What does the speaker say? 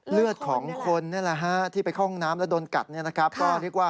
เลือดของคนที่ไปเข้าห้องน้ำและโดนกัด